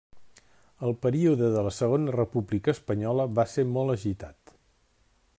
El període de la Segona República Espanyola va ser molt agitat.